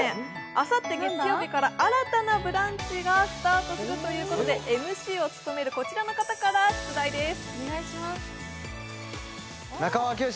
あさって月曜日から新たなブランチがスタートするということで、ＭＣを務めるこちらの方から出題です。